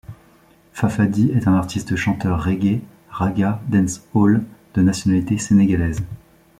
Fafadi est un artiste, chanteur reggae, ragga, dance hall de nationalité sénégalaise.